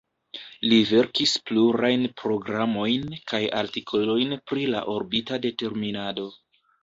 Li verkis plurajn programojn kaj artikolojn pri la orbita determinado.